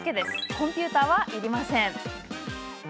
コンピューターはいりません。